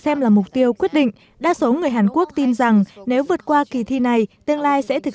xem là mục tiêu quyết định đa số người hàn quốc tin rằng nếu vượt qua kỳ thi này tương lai sẽ thực